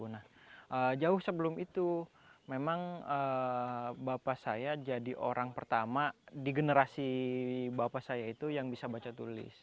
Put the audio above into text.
nah jauh sebelum itu memang bapak saya jadi orang pertama di generasi bapak saya itu yang bisa baca tulis